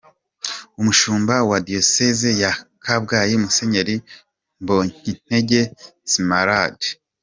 Umushumba wa Diyoseze ya Kabgayi Musenyeri Mbonyintege Smaragde.